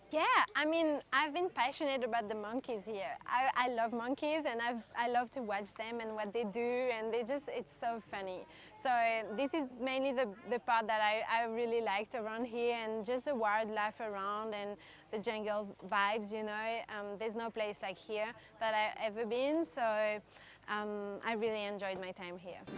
jadi saya sangat menikmati waktu di sini